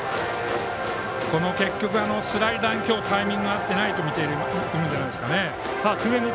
結局、スライダーに今日タイミングが合っていないと見ているんじゃないですかね。